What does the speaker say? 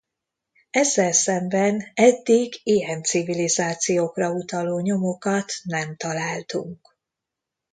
Ezzel szemben eddig ilyen civilizációkra utaló nyomokat nem találtunk.